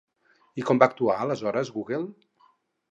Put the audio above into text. I com va actuar, aleshores, Google?